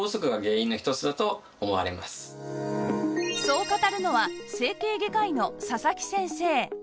そう語るのは整形外科医の佐々木先生